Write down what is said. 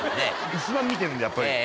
一番見てるんでやっぱり。